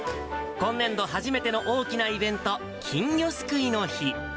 今年度初めての大きなイベント、金魚すくいの日。